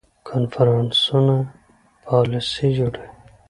کنفرانسونه پالیسي جوړوي